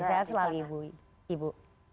saya selalu ibu